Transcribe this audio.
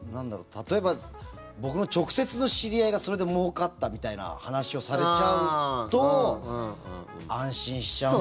例えば、僕の直接の知り合いがそれで、もうかったみたいな話をされちゃうと安心しちゃうんじゃ。